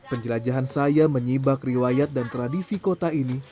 penjelajahan saya menyibak riwayat dan tradisi kota ini